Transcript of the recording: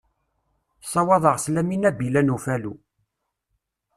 Sawaḍeɣ sslam i Nabila n Ufalu.